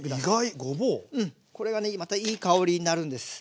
うんこれがねまたいい香りになるんです。